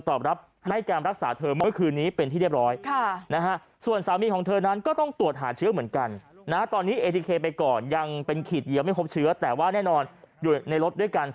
ตอบรับให้การรักษาเธอเมื่อคืนนี้เป็นที่เรียบร้อยส่วนสามีของเธอนั้นก็ต้องตรวจหาเชื้อเหมือนกัน